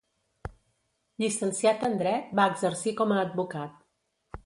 Llicenciat en dret, va exercir com a advocat.